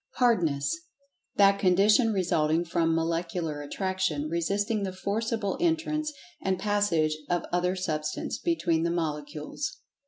Hardness: That condition resulting from Molecular Attraction resisting the forcible entrance and passage of other Substance between the molecules.